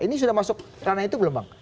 ini sudah masuk ranah itu belum bang